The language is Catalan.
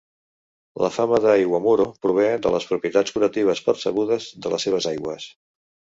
La fama de Iwamuro prové de les propietats curatives "percebudes" de les seves aigües.